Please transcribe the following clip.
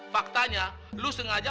faktanya lu sengaja